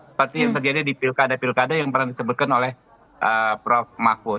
seperti yang terjadi di pilkada pilkada yang pernah disebutkan oleh prof mahfud